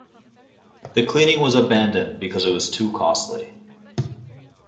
The cleaning was abandoned because it was too costly.